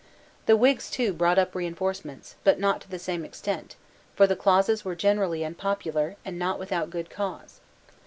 The Whigs, too, brought up reinforcements, but not to the same extent; for the clauses were generally unpopular, and not without good cause.